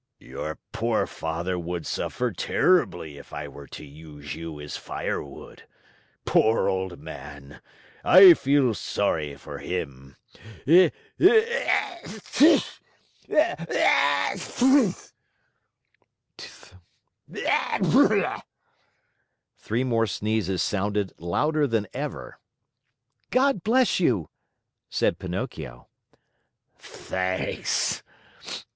"Your poor father would suffer terribly if I were to use you as firewood. Poor old man! I feel sorry for him! E tchee! E tchee! E tchee!" Three more sneezes sounded, louder than ever. "God bless you!" said Pinocchio. "Thanks!